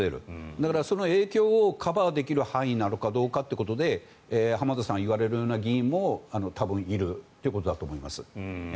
だからその影響をカバーできる範囲なのかどうかということで浜田さんが言われるような議員も多分いるということだと思います。